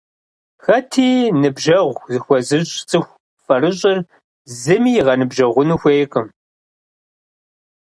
Хэти «ныбжьэгъу» зыхуэзыщӀ цӀыху фэрыщӀыр зыми игъэныбжьэгъуну хуейкъым.